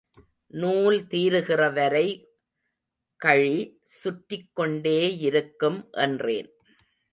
நூல் தீருகிறவரை கழி சுற்றிக் கொண்டேயிருக்கும் என்றேன்.